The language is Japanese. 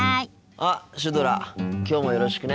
あっシュドラきょうもよろしくね。